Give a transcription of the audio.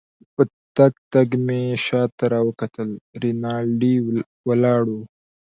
په تګ تګ کې مې شاته راوکتل، رینالډي ولاړ وو.